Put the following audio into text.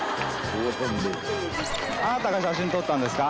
あなたが写真撮ったんですか？